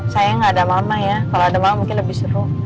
saya nggak ada mama ya kalau ada mama mungkin lebih seru